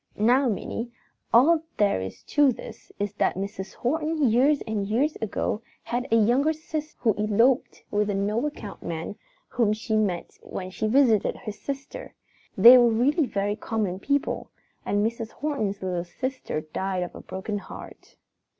Now, Minnie, all there is to this is that Mrs. Horton years and years ago had a younger sister who eloped with a no account man whom she met when she visited his sister. They were really very common people, and Mrs. Horton's little sister died of a broken heart.